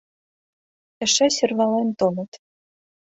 Эше сӧрвален толыт.